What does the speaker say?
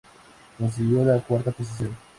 Consiguió la cuarta posición.